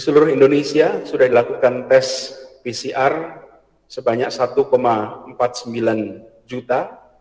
seluruh indonesia sudah dilakukan tes pcr sebanyak satu empat puluh sembilan juta